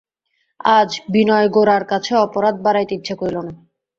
আজ বিনয় গোরার কাছে অপরাধ বাড়াইতে ইচ্ছা করিল না।